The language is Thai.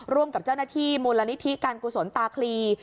ร่วมกับเจ้าหน้าที่มูลนิธิการกุศลตาคลี